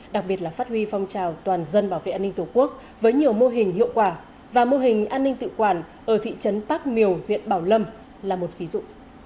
đặc biệt là phát huy phong trào toàn dân bảo vệ an ninh tổ quốc với nhiều mô hình hiệu quả và mô hình an ninh tự quản ở thị trấn bác miều huyện bảo lâm là một ví dụ